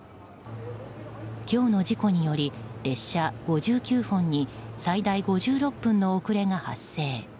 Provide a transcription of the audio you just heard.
今日の事故により、列車５９本に最大５６分の遅れが発生。